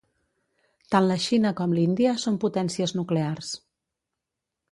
Tant la Xina com l’Índia són potències nuclears.